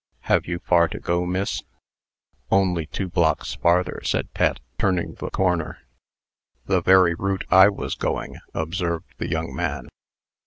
Have you far to go, miss?" "Only two blocks farther," said Pet, turning the corner. "The very route I was going," observed the young man.